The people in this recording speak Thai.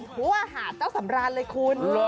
หัวหาดเจ้าสำราญเลยคุณ